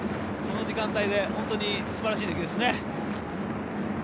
この時間帯で本当に素晴らしい出来ですね。